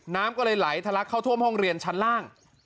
น้ำก็เลยไหลทะลักเข้าท่วมห้องเรียนชั้นล่าง